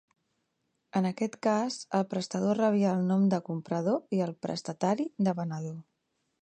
En aquest cas, el prestador rebia el nom de comprador i el prestatari de venedor.